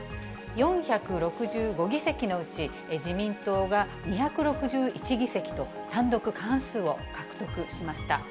４６５議席のうち、自民党が２６１議席と、単独過半数を獲得しました。